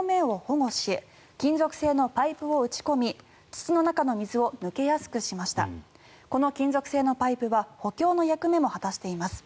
この金属製のパイプは補強の役目も果たしています。